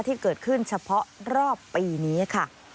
ที่เกิดขึ้นเฉพาะรอบปีนี้ค่ะ